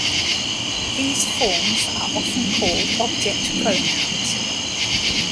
These forms are often called object pronouns.